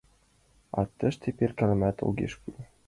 А тыште перкалымат огеш кӱл.